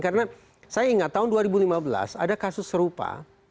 karena saya ingat tahun dua ribu lima belas ada kasus serupa